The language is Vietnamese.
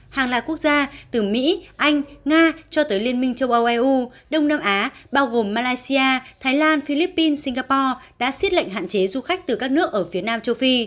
hàng là quốc gia từ mỹ anh nga cho tới liên minh châu âu eu đông nam á bao gồm malaysia thái lan philippines singapore đã xiết lệnh hạn chế du khách từ các nước ở phía nam châu phi